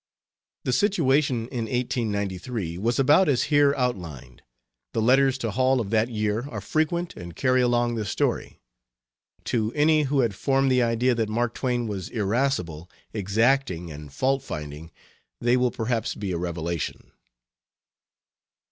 The situation in 1893 was about as here outlined. The letters to Hall of that year are frequent and carry along the story. To any who had formed the idea that Mark Twain was irascible, exacting, and faultfinding, they will perhaps be a revelation.